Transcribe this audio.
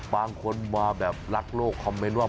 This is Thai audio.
บางคนมาแบบรักโลกคอมเมนต์ว่า